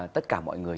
tất cả mọi người